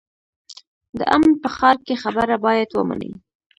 د امن په ښار کې خبره باید ومنې.